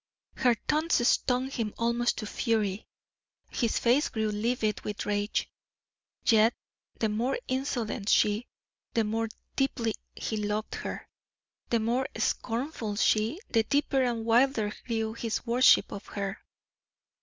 Her taunts stung him almost to fury; his face grew livid with rage; yet, the more insolent she, the more deeply he loved her; the more scornful she, the deeper and wilder grew his worship of her.